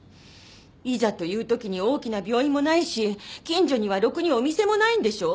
いざというときに大きな病院もないし近所にはろくにお店もないんでしょう？